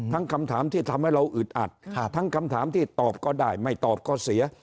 คำถามที่ทำให้เราอึดอัดทั้งคำถามที่ตอบก็ได้ไม่ตอบก็เสีย